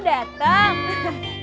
hai kalian udah dateng